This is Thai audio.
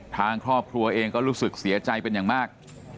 ทางครอบครัวเองก็รู้สึกเสียใจเป็นอย่างมาก